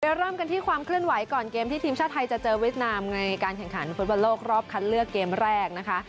เริ่มกันที่ความเคลื่อนไหวก่อนเกมที่ทีมชาติไทยจะเจอเวียดนามในการแข่งขันฟุตบอลโลกรอบคัดเลือกเกมแรกนะคะ